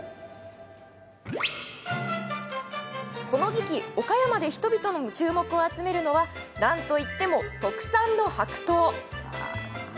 この時期、岡山で人々の注目を集めるのは、なんといっても特産の白桃。